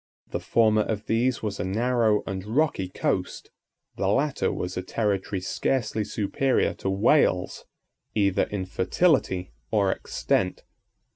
The former of these was a narrow and rocky coast; the latter was a territory scarcely superior to Wales, either in fertility or extent.